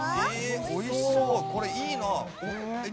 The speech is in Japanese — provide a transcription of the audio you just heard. おいしそう、いいな。